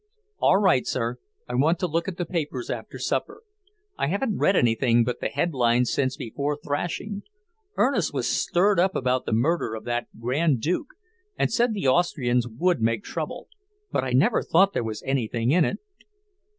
"All right, sir. I want to look at the papers after supper. I haven't read anything but the headlines since before thrashing. Ernest was stirred up about the murder of that Grand Duke and said the Austrians would make trouble. But I never thought there was anything in it."